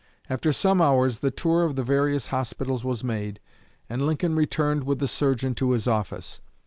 After some hours the tour of the various hospitals was made, and Lincoln returned with the surgeon to his office.